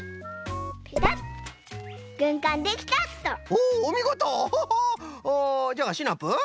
おじゃあシナプー